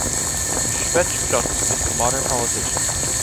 Shevchuk is a modern politician.